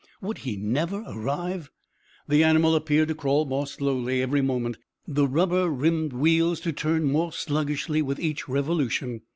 Would he never arrive! The animal appeared to crawl more slowly every moment, the rubber rimmed wheels to turn more sluggishly with each revolution.